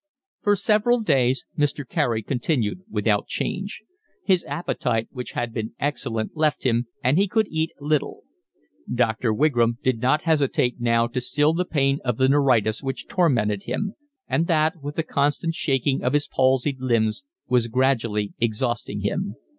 For several days Mr. Carey continued without change. His appetite which had been excellent left him, and he could eat little. Dr. Wigram did not hesitate now to still the pain of the neuritis which tormented him; and that, with the constant shaking of his palsied limbs, was gradually exhausting him.